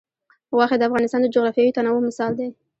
غوښې د افغانستان د جغرافیوي تنوع مثال دی.